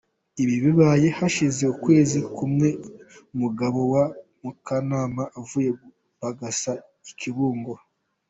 Ibi bibaye hashize ukwezi kumwe umugabo wa Mukanama avuye gupagasa I Kibungo.